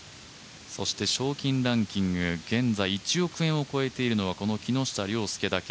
そして賞金ランキング現在１億円を超えているのはこの木下稜介だけ。